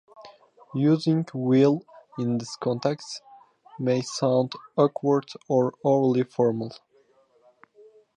Using "will" in this context may sound awkward or overly formal.